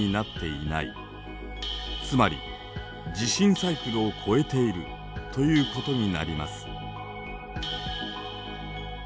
つまり「地震サイクルを超えている」ということになります。